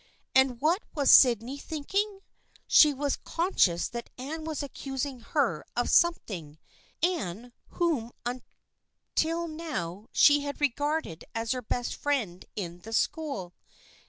And what was Sydney thinking? She was conscious that Anne was accusing her of something, Anne, whom until now she had regarded as her best friend in the school.